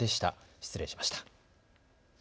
失礼しました。